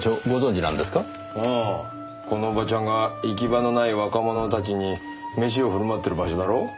このおばちゃんが行き場のない若者たちにメシを振る舞ってる場所だろ？